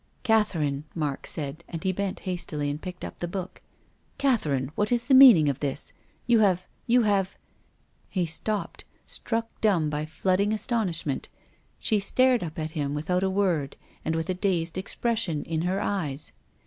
"Catherine," Mark said, and he bent hastily and picked up the book. " Catherine, what is the meaning of this? You have — you have " He stopped, struck dumb by flooding astonish ment. She stared up at him without a word and with a dazed expression in her eyes.